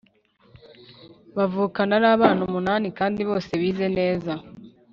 bavukana arabana umunanini kndi bose bize neza